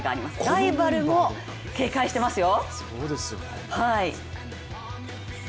ライバルも警戒してますよ。